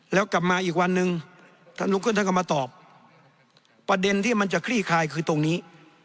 แล้วกลับมาอีกวันหนึ่งท่านลุกขึ้นท่านก็มาตอบประเด็นที่มันจะคลี่คลายคือตรงนี้